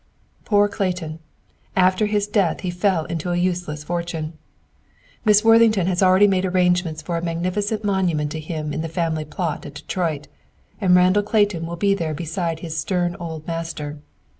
"Poor Clayton! After his death he fell into a useless fortune! Miss Worthington has already made arrangements for a magnificent monument to him in the family plot at Detroit, and Randall Clayton will be there beside his stern old master.